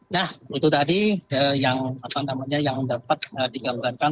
nah itu tadi yang dapat digambarkan